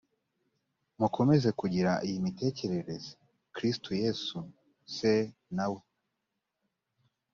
mukomeze kugira iyi mitekerereze kristo yesu s na we